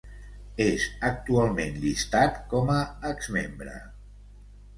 És actualment llistat com a exmembre.